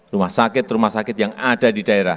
rumah sakit rumah sakit yang ada di daerah